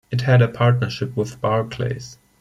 It had a partnership with Barclays.